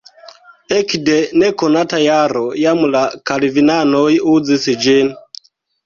Ekde nekonata jaro jam la kalvinanoj uzis ĝin.